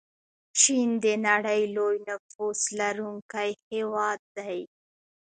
چین د نړۍ لوی نفوس لرونکی هیواد دی.